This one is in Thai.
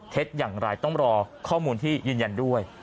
อย่างไรต้องรอข้อมูลที่ยืนยันด้วย